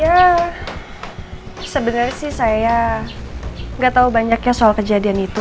ya sebenernya sih saya gak tau banyaknya soal kejadian itu